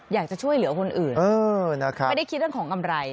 อยากจะช่วยเหลือคนอื่นไม่ได้คิดเรื่องของกำไร